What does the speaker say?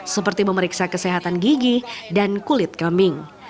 seperti memeriksa kesehatan gigi dan kulit kambing